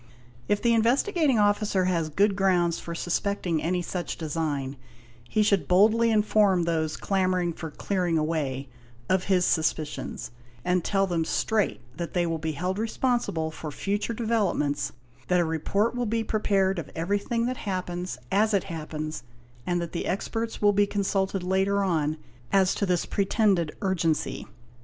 If the Investigating Officer has good grounds for suspecting any such design, he should boldly inform those clamouring for " clearing away '"' of his suspicions, and tell them straight that they will be held responsible for future developments, that a report will be prepared of everything that happens as it happens, and that the experts will be con sulted later on as to this pretended urgency.